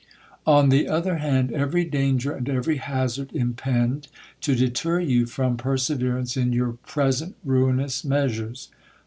On the other hand, every danger and every hazard impend, to deter you from perseverance in your present ruinous measures.